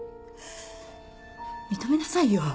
認めなさいよ